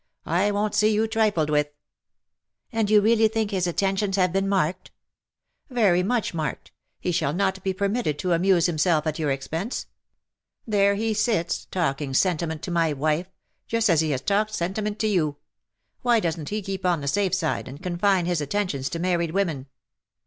I won't see you trifled with." ^^ And you really think his attentions have been marked ?"'^ Very much marked. He shall not be per mitted to amuse himself at your expense. There he sits, talking sentiment to my wife — ^just as he has talked sentiment to you. Why doesn't he keep on the safe side, and confine his attentions to married women?"